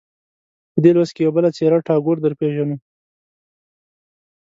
په دې لوست کې یوه بله څېره ټاګور درپېژنو.